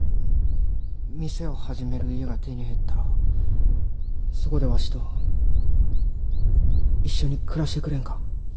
店を始める家が手に入ったらそこでわしと一緒に暮らしてくれんか？